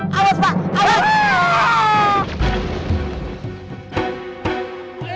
pak h lincoln ngejerdih lalu